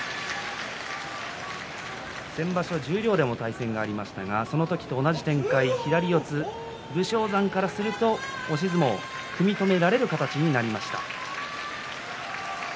先場所、十両でも対戦がありましたがその時と同じ展開左四つ、武将山からすると押し相撲組み止められる形になりました。